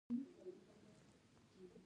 د افغانستان ګاونډیان مهم دي